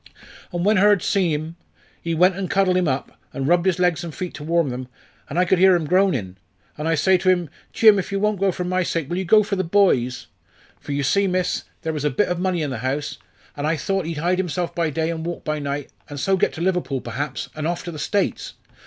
"And when Hurd see him, he went and cuddled him up, and rubbed his legs and feet to warm them, an' I could hear him groanin'. And I says to him, 'Jim, if you won't go for my sake, will you go for the boy's?' For you see, miss, there was a bit of money in the house, an' I thought he'd hide himself by day and walk by night, and so get to Liverpool perhaps, and off to the States.